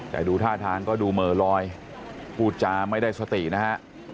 แต่ดูท่าทางก็ดูเหม่อลอยพูดจาไม่ได้สตินะฮะ